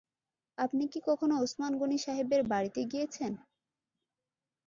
আপনি কি কখনো ওসমান গনি সাহেবের বাড়িতে গিয়েছেন?